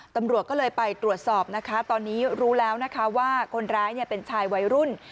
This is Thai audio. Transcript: ตำรวจก็เลยไปตรวจสอบนะคะตอนนี้รู้แล้วนะคะว่าคนร้ายเป็นชายวัยรุ่น